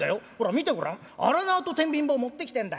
見てごらん荒縄と天秤棒持ってきてんだ。